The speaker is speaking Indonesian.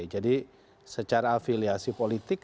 jadi secara afiliasi politik